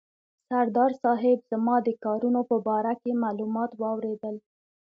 سردار صاحب زما د کارونو په باره کې معلومات واورېدل.